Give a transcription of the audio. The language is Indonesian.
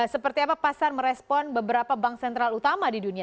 seperti apa pasar merespon beberapa bank sentral utama di dunia